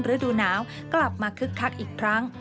ฤดูหนาวกลับมาคึกคักอีกครั้ง